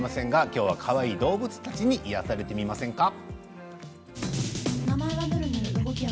きょうはかわいい動物たちに癒やされてみませんか。